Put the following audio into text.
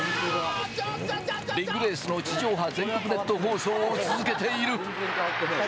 ビッグレースの地上波全国ネット放送を続けている。